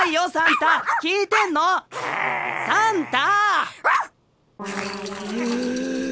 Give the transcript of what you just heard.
サンタ！